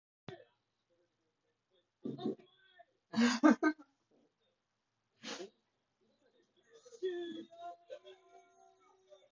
花がばらばらに散ること。転じて、物が乱雑に散らばっていること。